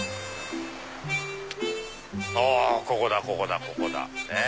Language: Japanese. あここだここだここだ。